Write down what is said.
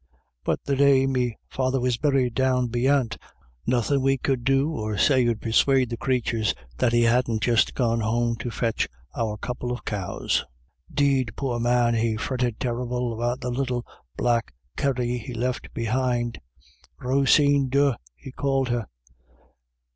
But the day me father was buried down beyant, nothin* we could do or say 'ud persuade the crathurs that he hadn't just gone home to fetch our couple of cows. 'Deed, poor man, he fretted terrible after the little black Kerry he left behind — Roseen Dhu he called her.